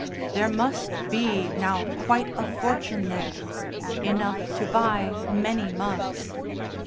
There must be now quite a fortune there enough to buy many mugs.